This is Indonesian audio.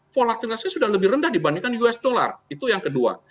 volatilitasnya sudah lebih rendah dibandingkan us dollar itu yang kedua